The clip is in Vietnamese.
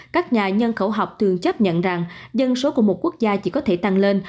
các nhà nhân khẩu học thường chấp nhận rằng dân số của một quốc gia chỉ có thể tăng lên